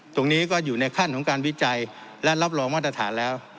ตรงนี้ก็อยู่ในขั้นของการวิจัยและรับรองมาตรฐานแล้ว